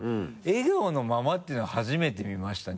笑顔のままっていうのは初めて見ました。